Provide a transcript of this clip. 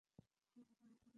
আমি এভাবে মরতে পারি না!